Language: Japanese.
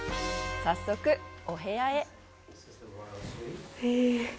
早速、お部屋へ。